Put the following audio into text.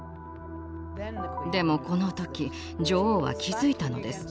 でもこの時女王は気付いたのです。